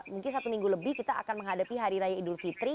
mungkin satu minggu lebih kita akan menghadapi hari raya idul fitri